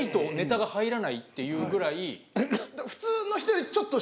っていうぐらい。